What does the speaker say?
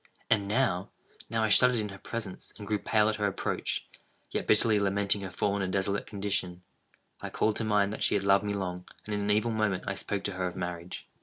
And now—now I shuddered in her presence, and grew pale at her approach; yet, bitterly lamenting her fallen and desolate condition, I called to mind that she had loved me long, and, in an evil moment, I spoke to her of marriage.